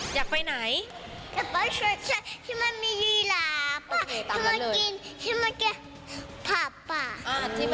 สิอยากไปไหนที่มันมีสิปอะที่มันกินปับถุงญาติ